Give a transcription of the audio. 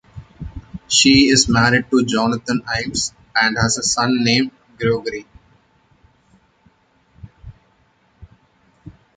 She is married to Jonathan Ives and has a son named Gregory.